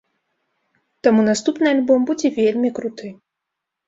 Таму наступны альбом будзе вельмі круты!